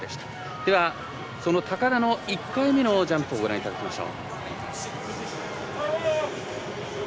では、その高田の１回目のジャンプをご覧いただきましょう。